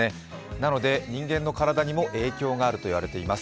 なので、人間の体にも影響があると言われています。